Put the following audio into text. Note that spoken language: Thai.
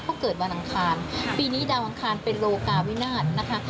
เขาเกิดวันอังคารปีนี้ดาวอังคารเป็นโลกาวินาศนะคะ